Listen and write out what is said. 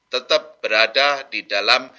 tetap berada di dalam